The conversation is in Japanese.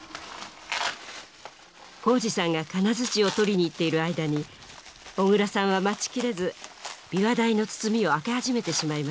宏司さんが金づちを取りに行っている間に小椋さんは待ちきれず琵琶台の包みを開け始めてしまいました。